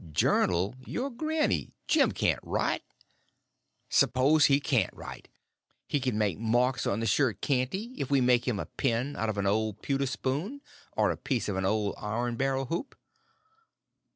"Journal your granny—Jim can't write." "S'pose he can't write—he can make marks on the shirt, can't he, if we make him a pen out of an old pewter spoon or a piece of an old iron barrel hoop?"